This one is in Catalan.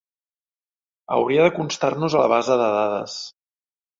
Hauria de constar-nos a la base de dades.